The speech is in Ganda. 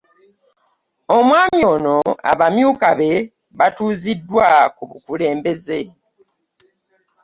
Omwami ono abamyuka be batuuziddwa ku bukulembeze.